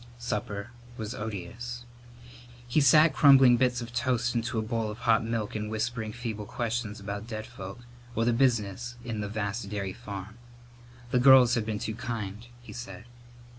Supper was odious. He sat crumbling bits of toast into a bowl of hot milk and whispering feeble questions about dead folk or the business of the vast dairy farm. The girls had been too kind, he said.